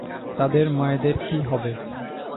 তাদের মায়েদের কী হবে?